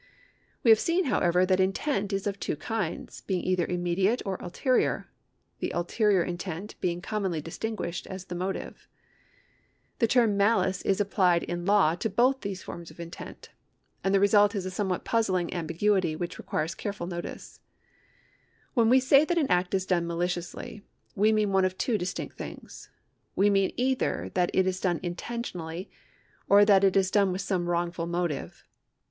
We have seen, however, that intent is of two kinds, being either immediate or ulterior, the ulterior intent being com monly distinguished as the motive. The term malice is applied in law to both these forms of intent, and the result is a somewhat puzzling ambiguity wliicli requires careful notice. When we say that an act is done maliciously, we mean one of two distinct things. We mean either that it is done intentionally, or that it is done with some wrongful motive.